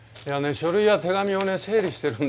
書類や手紙をね整理してるんですけどね。